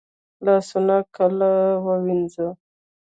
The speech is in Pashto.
لاسونه کله ووینځو؟